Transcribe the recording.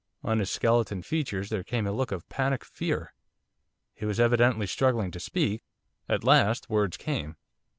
On his skeleton features there came a look of panic fear. He was evidently struggling to speak. At last words came.